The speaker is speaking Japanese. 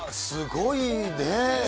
すごいねえ。